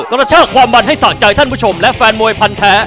กระชากความมันให้สะใจท่านผู้ชมและแฟนมวยพันแท้